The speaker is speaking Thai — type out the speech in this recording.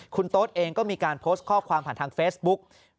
คุณโต๊ดเองก็มีการโพสต์ข้อความผ่านทางเฟซบุ๊ก